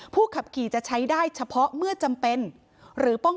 ผู้ขับกี่จะใช้ได้เฉพาะเมื่อจำเป็น